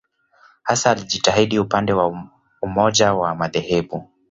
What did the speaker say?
Hasa alijitahidi upande wa umoja wa madhehebu.